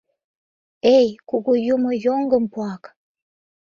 Эй, кугу юмо, йоҥгым пуак!